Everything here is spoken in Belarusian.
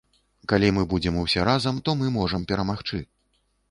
Калі мы будзем усе разам, то мы можам перамагчы.